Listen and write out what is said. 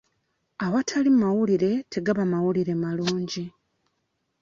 Awatali mawulire tegaba mawulire malungi.